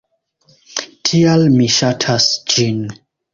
Tial mi ŝatas ĝin.